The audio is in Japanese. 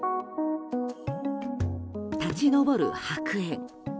立ち上る白煙。